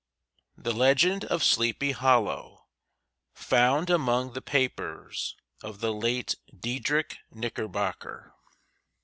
THE LEGEND OF SLEEPY HOLLOW. (FOUND AMONG THE PAPERS OF THE LATE DIEDRICH KNICKERBOCKER.)